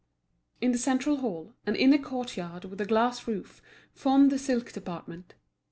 In the central hall, an inner courtyard with a glass roof formed the silk department.